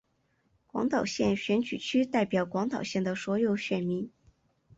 广岛县选举区代表广岛县的所有选民。